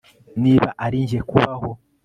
Niba ari njye kubaho